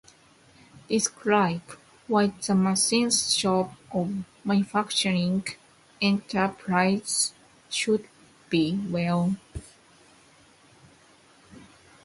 Describe why the machine shop of a manufacturing enterprise should be well ventilated.